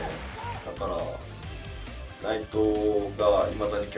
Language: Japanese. だから。